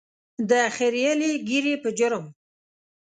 د خرییلې ږیرې په جرم.